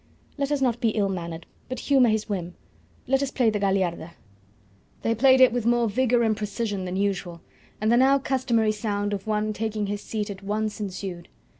Let us not be ill mannered, but humour his whim; let us play the Gagliarda." They played it with more vigour and precision than usual, and the now customary sound of one taking his seat at once ensued.